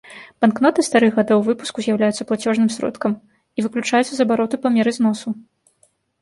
Банкноты старых гадоў выпуску з'яўляюцца плацежным сродкам і выключаюцца з абароту па меры зносу.